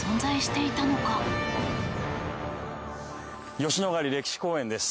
吉野ヶ里歴史公園です。